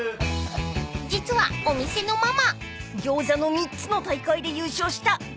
［実はお店のママギョーザの３つの大会で優勝したギョーザ作りの名人］